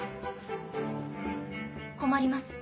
困ります